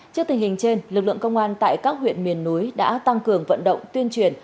trước tình hình trên lực lượng công an tại các huyện miền núi đã tăng cường vận động tuyên truyền